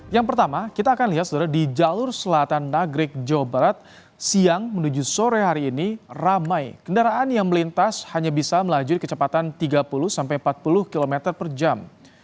yang pertama kita akan lihat sebenarnya di jalur selatan nagrek jawa barat siang menuju sore hari ini ramai kendaraan yang melintas hanya bisa melaju di kecepatan tiga puluh sampai empat puluh km per jam